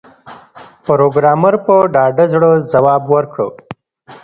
پروګرامر په ډاډه زړه ځواب ورکړ